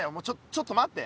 ちょっと待って。